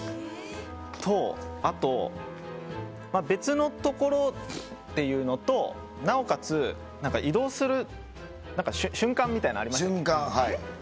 別のところっていうのとなおかつ移動する瞬間みたいなのありましたよね。